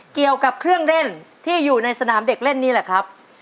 เกี่ยวกับเครื่องเล่นที่อยู่ในสนามเด็กเล่นนี่แหละครับ